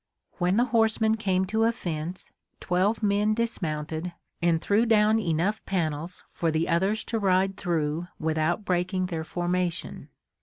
When the horsemen came to a fence twelve men dismounted and threw down enough panels for the others to ride through without breaking their formation.